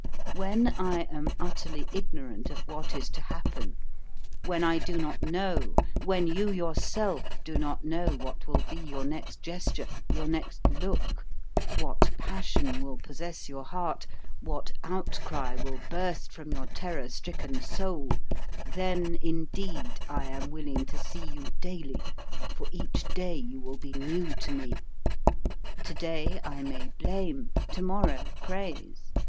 When I am utterly ignorant of what is to happen, when I do not know, when you yourself do not know what will be your next gesture, your next look, what passion will possess your heart, what outcry will burst from your terror stricken soul, then, indeed, I am willing to see you daily, for each day you will be new to me. To day I may blame, to morrow praise.